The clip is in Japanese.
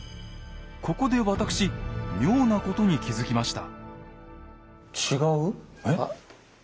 ここで私妙なことに気付きました。